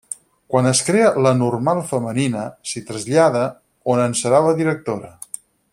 Quan es crea la Normal femenina, s'hi trasllada, on en serà directora.